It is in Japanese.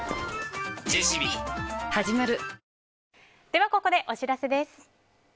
ではここでお知らせです。